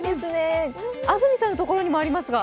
安住さんのところにもありますが。